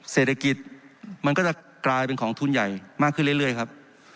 เศรษฐกิจมันก็จะกลายเป็นของทุนใหญ่มากขึ้นเรื่อยครับ